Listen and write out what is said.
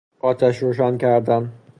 آتش روشن کردن